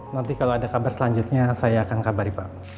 nanti kalau ada kabar selanjutnya saya akan kabari pak